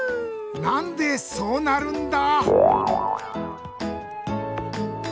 なんでそうなるんだ